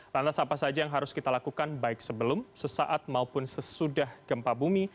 lantas apa saja yang harus kita lakukan baik sebelum sesaat maupun sesudah gempa bumi